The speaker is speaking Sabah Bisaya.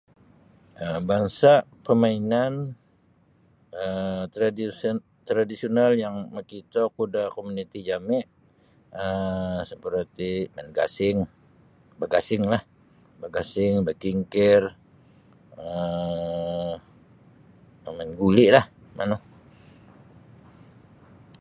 um Bansa' pamainan um tradisin tradisional yang makitoku da komuniti jami' um saperti' main gasing bagasinglah bagasing bakingkir um bamain guli'lah manu.